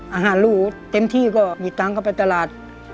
อาหารรูเต็มที่ก็มีตังค์เข้าไปตลาด